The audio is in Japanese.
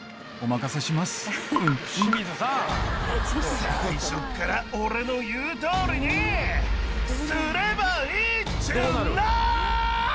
「最初っから俺の言う通りにすればいいんじゃあない？」